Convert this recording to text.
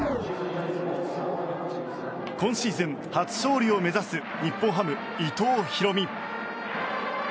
今シーズン初勝利を目指す日本ハム、伊藤大海。